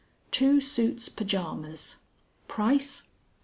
_ "_2 suits Pyjamas. Price?